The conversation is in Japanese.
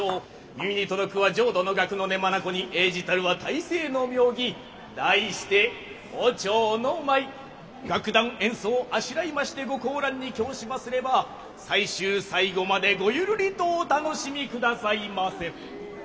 耳に届くは浄土の楽の音眼に映じたるは泰西の妙技題して「胡蝶の舞」。楽団演奏をあしらいましてご高覧に供しますれば最終最後までごゆるりとお楽しみくださいませ。